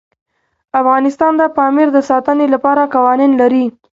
افغانستان د پامیر د ساتنې لپاره قوانین لري.